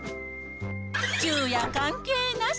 昼夜関係なし。